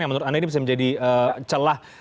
yang menurut anda ini bisa menjadi celah